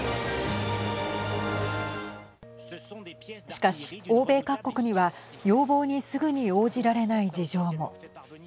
しかし、欧米各国には要望にすぐに応じられない事情も。